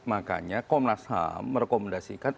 makanya komnas ham merekomendasikan